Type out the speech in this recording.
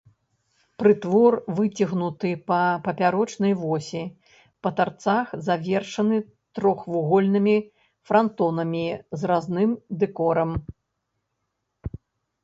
Прытвор выцягнуты па папярочнай восі, па тарцах завершаны трохвугольнымі франтонамі з разным дэкорам.